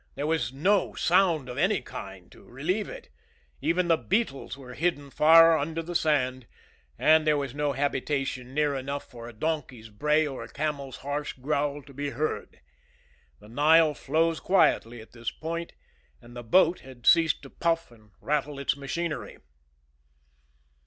There was no sound of any kind to relieve it. Even the beetles were hidden far under the sand, and there was no habitation near enough for a donkey's bray or a camel's harsh growl to be heard. The Nile flows quietly at this point, and the boat had ceased to puff and rattle its machinery.